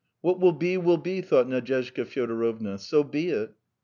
"What will be, will be," thought Nadyezhda Fyodorovna. "So be it.